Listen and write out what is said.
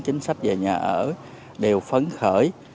chính sách về nhà ở đều phấn khởi